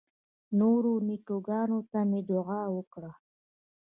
نورو نیکه ګانو ته مې دعا وکړه.